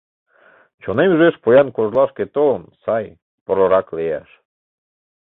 Чонем ӱжеш Поян кожлашке толын, Сай, порырак лияш.